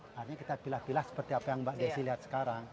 akhirnya kita pilih pilih seperti apa yang mbak desy lihat sekarang